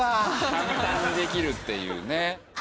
簡単にできるっていうね。